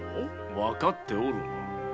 分かっておる。